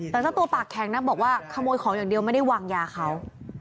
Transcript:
แต่เจ้าตัวปากแข็งนะบอกว่าขโมยของอย่างเดียวไม่ได้วางยาเขา